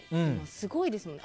すごいですよね。